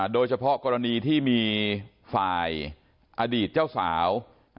โดยเฉพาะกรณีที่มีฝ่ายอดีตเจ้าสาว